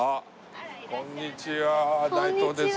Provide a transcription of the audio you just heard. こんにちは内藤です。